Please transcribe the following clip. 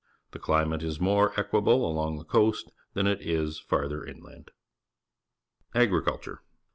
The climate is more equable along the coast than it is farther inland. Agriculture.